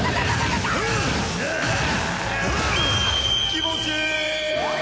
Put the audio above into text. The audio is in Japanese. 気持ちいい！